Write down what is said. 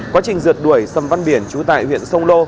quá trình rượt đuổi xâm văn biển chú tại huyện sông lô